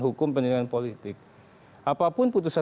hukum pendidikan politik apapun putusan